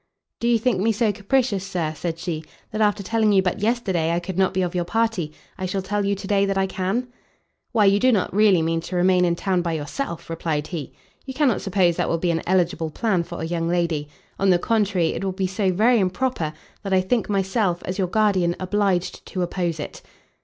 "Do you think me so capricious, Sir," said she, "that after telling you but yesterday I could not be of your party, I shall tell you to day that I can?" "Why you do not really mean to remain in town by yourself?" replied he, "you cannot suppose that will be an eligible plan for a young lady. On the contrary, it will be so very improper, that I think myself, as your Guardian, obliged to oppose it."